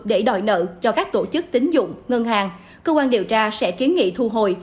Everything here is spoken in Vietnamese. để đòi nợ cho các tổ chức tính dụng ngân hàng cơ quan điều tra sẽ kiến nghị thu hồi